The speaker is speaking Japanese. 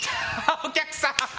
お客さん！